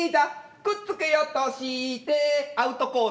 くっつけようとしてアウトコース